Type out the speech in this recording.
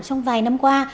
trong vài năm qua